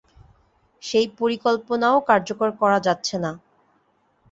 সেই পরিকল্পনাও কার্যকর করা যাচ্ছে না।